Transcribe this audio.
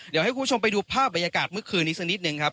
เดี๋ยวให้คุณผู้ชมไปดูภาพบรรยากาศเมื่อคืนนี้สักนิดนึงครับ